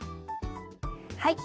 はい。